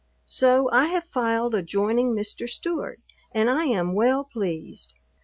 So I have filed adjoining Mr. Stewart and I am well pleased.